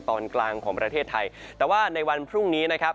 ตอนกลางของประเทศไทยแต่ว่าในวันพรุ่งนี้นะครับ